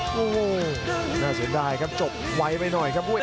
โอ้โหน่าเสียดายครับจบไวไปหน่อยครับผู้เอก